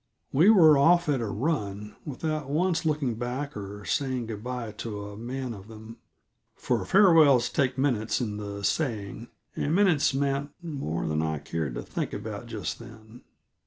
We were off at a run, without once looking back or saying good by to a man of them; for farewells take minutes in the saying, and minutes meant more than I cared to think about just then.